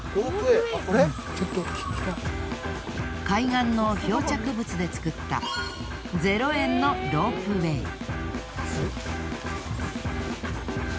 海岸の漂着物で作った０円のロープウェー。